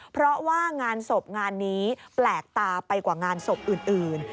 เพราะว่างานศพงานนี้แปลกตาไปกว่างานศพอื่น